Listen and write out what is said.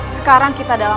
sekarang kita dalam